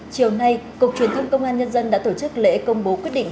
chiều nay cục truyền thông công an nhân dân đã tổ chức lễ công bố quyết định